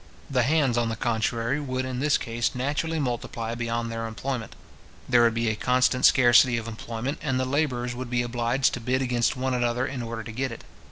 The hands, on the contrary, would, in this case, naturally multiply beyond their employment. There would be a constant scarcity of employment, and the labourers would be obliged to bid against one another in order to get it.